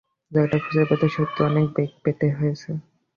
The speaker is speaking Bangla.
জায়গাটা খুঁজে পেতে সত্যিই অনেক বেগ পেতে হয়েছে।